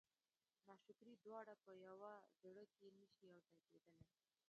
ناشکري دواړه په یوه زړه کې نه شي یو ځای کېدلی.